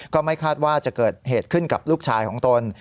ก็ไม่คาดว่าจะเกิดเหตุขึ้นกับลูกชายของตน